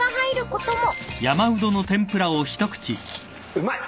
うまい。